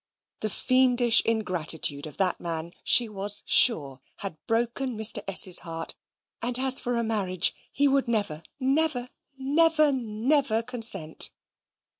The fiendish ingratitude of that man, she was sure, had broken Mr. S.'s heart: and as for a marriage, he would never, never, never, never consent.